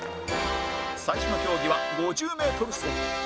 最初の競技は５０メートル走